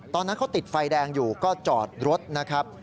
ตอนนั้นเขาติดไฟแดงอยู่ก็จอดรถนะครับ